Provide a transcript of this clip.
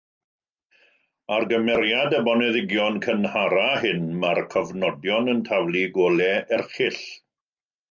Ar gymeriad y boneddigion cynharaf hyn mae'r cofnodion yn taflu golau erchyll.